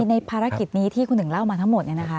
ในภารกิจนี้ที่คุณถึงเล่ามาทั้งหมด